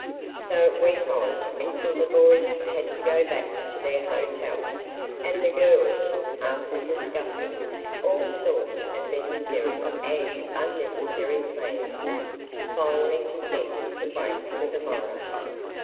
So it went on until the boys had to go back to their hotel, and the girls, after discussing all sorts of necessary and unnecessary plans, finally consented to wait for the morrow.